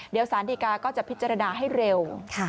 เดี๋ยวสารดีกาก็จะพิจารณาให้เร็ว